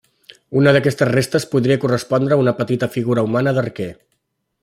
Una d'aquestes restes podria correspondre a una petita figura humana d'arquer.